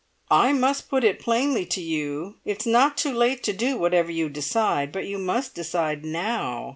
"I must put it plainly to you. It's not too late to do whatever you decide, but you must decide now.